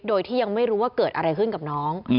โดยที่ยังไม่รู้ว่าเกิดอะไรขึ้นกับน้อง